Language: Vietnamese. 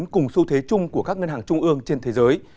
cùng xu thế chung của các ngân hàng trung ương trên thế giới